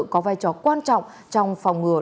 có vai trò quan trọng trong phòng ngừa